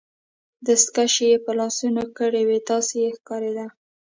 دستکشې يې په لاسو کړي وې، داسې یې ښکاریده.